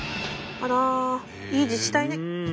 あらいい自治体ね。